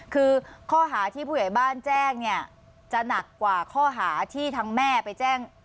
คือข้อหาที่ผู้ใหญ่บ้านแจ้งเนี่ยจะหนักกว่าข้อหาที่ทางแม่ไปแจ้ง